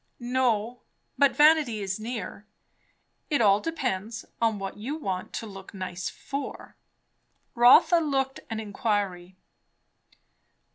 "No, but vanity is near. It all depends on what you want to look nice for." Rotha looked an inquiry.